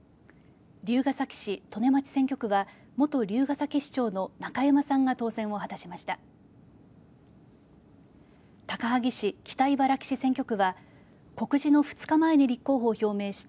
龍ヶ崎市・利根町選挙区は元龍ヶ崎市長の中山さんが当選を果たしました。